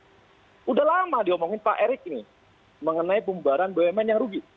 sudah lama diomongin pak erik ini mengenai pembaran bumn yang rugi